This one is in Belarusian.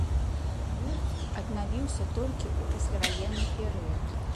Рух аднавіўся толькі ў пасляваенны перыяд.